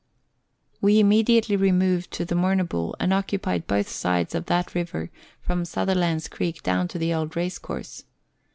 We immediately removed to the Moorabool and occupied both sides of that river from Sutherland's Creek down to the old Race course.